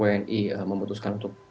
wni memutuskan untuk